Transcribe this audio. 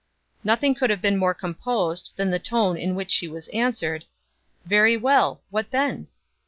Nothing could have been more composed than the tone in which she was answered: "Very well. What then?"